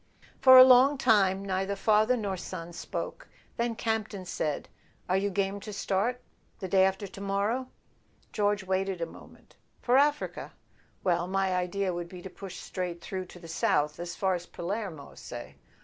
For a long time neither father nor son spoke; then Campton said: "Are you game to start the day after to morrow?" George waited a moment. "For Africa?" "Well—my idea would be to push straight through [ 38 ] A SON AT THE FRONT to the south—as far as Palermo, say.